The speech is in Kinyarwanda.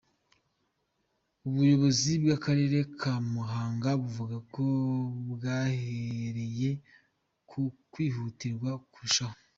Ubuyobozi bw'akarere ka Muhanga buvuga ko bwahereye ku kihutirwaga kurushaho.